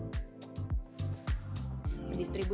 distribusi harga bulok beras sphp adalah beras premium